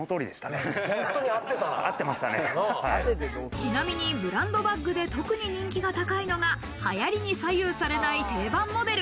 ちなみに、ブランドバッグで特に人気が高いのが流行に左右されない定番モデル。